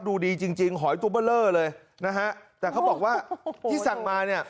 ดูดีจริงจริงหอยตุเบอร์เลอร์เลยนะฮะแต่เขาบอกว่าที่สั่งมาเนี่ย